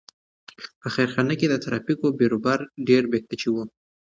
په خیرخانه کې د ترافیکو بېروبار ډېر بې کچې و.